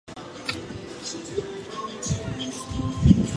不去和他们聊天吗？